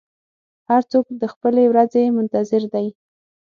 هر څوک د خپلې ورځې منتظر دی.